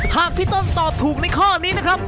หากพี่ต้นตอบถูกในข้อนี้นะครับ